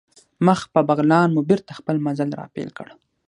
مخ په بغلان مو بېرته خپل مزل را پیل کړ.